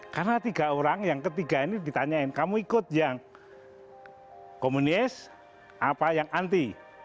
karena tiga orang yang ketiga ini ditanyain kamu ikut yang komunis apa yang anti